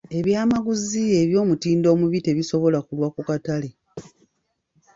Eby'amaguzi eby'omutindo omubi tebisobola kulwa ku katale.